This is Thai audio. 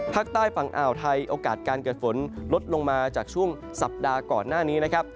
ภาคใต้ฝั่งอ่าวไทยโอกาสการเกิดฝนลดลงมาจากช่วงสัปดาห์ก่อนหน้านี้นะครับ